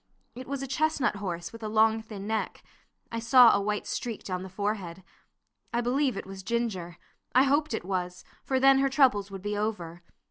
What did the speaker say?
It was a chestnut horse with a long, thin neck. I saw a white streak down the forehead. I believe it was Ginger; I hoped it was, for then her troubles would be over.